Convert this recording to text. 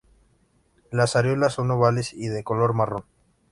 Las areolas son ovales y de color marrón.